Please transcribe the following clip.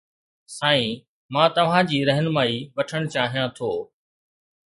سائين، مان توهان جي رهنمائي وٺڻ چاهيان ٿو